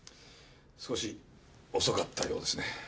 少し遅かったようですね。